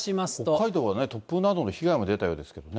北海道は突風などの被害も出たようですけれどもね。